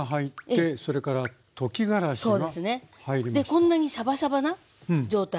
こんなにシャバシャバな状態。